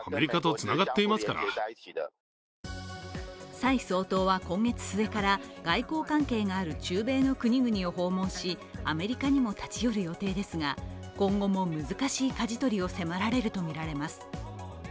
蔡総統は今月末から外交関係がある中米の国々を訪問しアメリカにも立ち寄る予定ですが、今後も難しいかじ取りを迫られるとみられます。